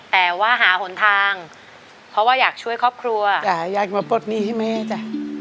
แต่ว่าหาหนทางเพราะว่าอยากช่วยครอบครัวจ้ะอยากมาปลดหนี้ให้แม่จ้ะ